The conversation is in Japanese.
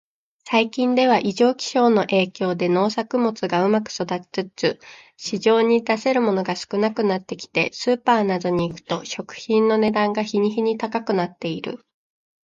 最近では、異常気象の影響で農作物がうまく育たず、市場に出せるものが少なくなってきて、スーパーなどに行くと食品の値段が日に日に高くなっている。